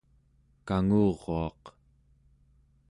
kanguruaq